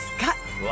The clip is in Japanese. うわ